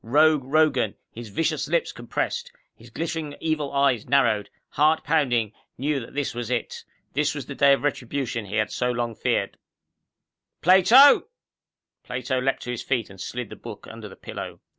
Rogue Rogan, his vicious lips compressed, his glittering evil eyes narrowed, heart pounding, knew that this was it._ This was the day of retribution, he had so long feared.... "Plato!" Plato leaped to his feet and slid the book under the pillow.